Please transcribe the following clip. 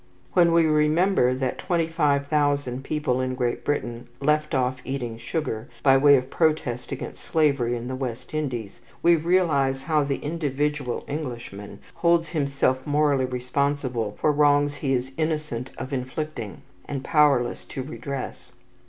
When we remember that twenty five thousand people in Great Britain left off eating sugar, by way of protest against slavery in the West Indies, we realize how the individual Englishman holds himself morally responsible for wrongs he is innocent of inflicting, and powerless to redress.